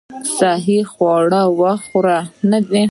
صحي خواړه وخوره .